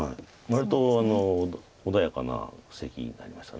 割と穏やかな布石になりました。